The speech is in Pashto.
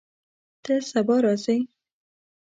ته سبا راځې؟